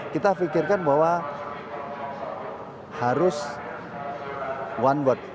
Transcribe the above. kita pikirkan bahwa harus one world